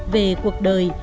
về cuộc đời